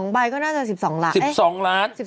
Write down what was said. ๒ใบก็น่าจะ๑๒ล้าน